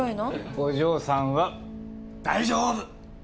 お嬢さんは大丈夫！